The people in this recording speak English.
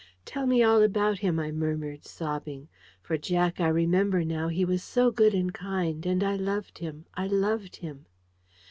"Tell me all about him," I murmured, sobbing. "For, Jack, I remember now, he was so good and kind, and I loved him I loved him."